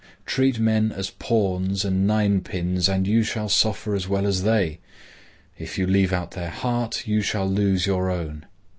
Treat men as pawns and ninepins and you shall suffer as well as they. If you leave out their heart, you shall lose your own.